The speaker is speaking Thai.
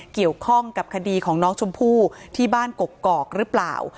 เกี่ยวข้องกับคดีของน้องชมพู่ที่บ้านกกอกหรือเปล่า